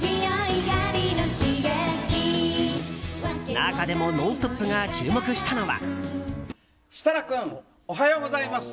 中でも「ノンストップ！」が注目したのは。